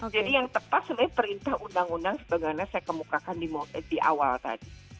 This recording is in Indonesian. jadi yang tepat sebenarnya perintah undang undang sebenarnya saya kemukakan di awal tadi